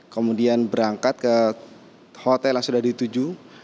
kemudian berangkat ke hotel yang sudah dituju